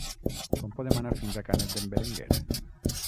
Com podem anar fins a Canet d'en Berenguer?